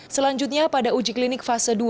selanjutnya pada uji klinik fase dua